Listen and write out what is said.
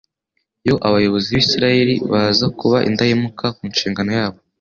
Iyo abayobozi b'Isiraeli baza kuba indahemuka ku nshingano yabo,